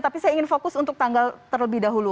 tapi saya ingin fokus untuk tanggal terlebih dahulu